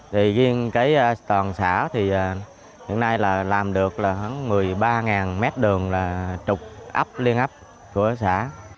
thì riêng cái toàn xã thì hiện nay là làm được một mươi ba m đường là trục ấp liên ấp của xã